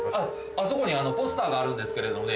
あそこにポスターがあるんですけれどもね。